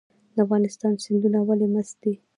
د افغانستان سیندونه ولې مست دي؟